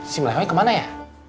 si melewanya kemana ya